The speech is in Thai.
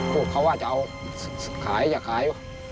พวกเขาว่าจะเอาขายอย่าขาย